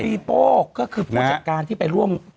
โป้ก็คือผู้จัดการที่ไปร่วม